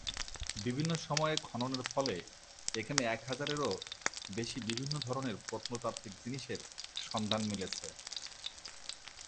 বিভিন্ন সময়ে খননের ফলে এখানে এক হাজারেরও বেশি বিভিন্ন ধরনের প্রত্নতাত্ত্বিক জিনিসের সন্ধান মিলেছে।